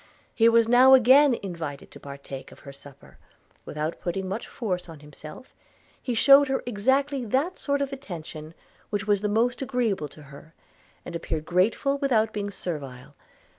He was now again invited to partake of her supper: without putting much force on himself, he shewed her exactly that sort of attention which was the most agreeable to her, and appeared grateful without being servile.